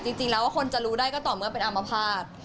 จริงแล้วคนจะรู้ได้ก็ต่อเมื่อเป็นอามภาษณ์